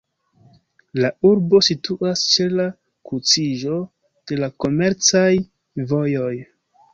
La urbo situas ĉe la kruciĝo de la komercaj vojoj.